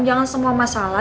jangan semua masalah